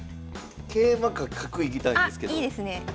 桂馬か角いきたいんですけど。